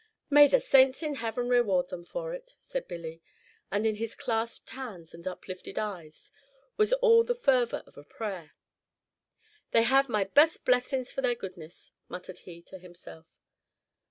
"May the saints in heaven reward them for it!" said Billy, and in his clasped hands and uplifted eyes was all the fervor of a prayer. "They have my best blessin' for their goodness," muttered he to himself.